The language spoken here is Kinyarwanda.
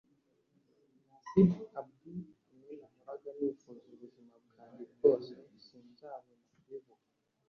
Nasib Abdul ni we nahoraga nifuza ubuzima bwanjye bwose sinzahwema kubivuga